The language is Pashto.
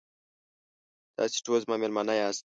تاسې ټول زما میلمانه یاست.